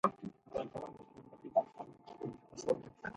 The windows to the rear wings reflect the general style.